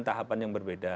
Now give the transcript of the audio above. tahapan yang berbeda